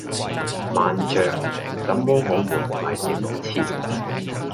慢著！怎麼我們排這麼前